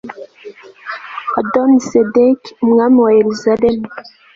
adoni sedeki, umwami wa yeruzalemu